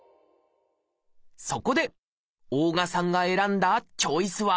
そこで大我さんが選んだチョイスは？